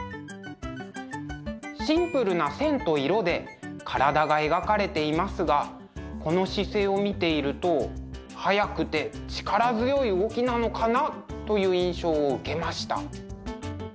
シンプルな線と色で体が描かれていますがこの姿勢を見ていると速くて力強い動きなのかなという印象を受けました。